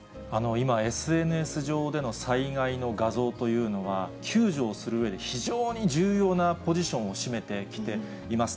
今、ＳＮＳ上での災害の画像というのは、救助をするうえで非常に重要なポジションを占めてきています。